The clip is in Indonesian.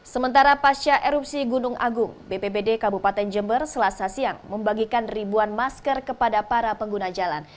sementara pasca erupsi gunung agung bpbd kabupaten jember selasa siang membagikan ribuan masker kepada para pengguna jalan